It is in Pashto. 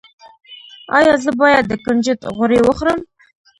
ایا زه باید د کنجد غوړي وخورم؟